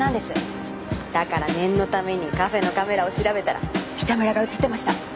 だから念のためにカフェのカメラを調べたら三田村が映ってました。